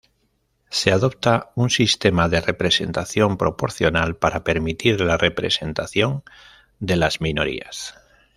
Se adopta un sistema de representación proporcional para permitir la representación de las minorías.